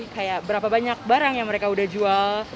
kayak berapa banyak barang yang mereka udah jual